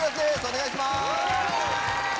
お願いします。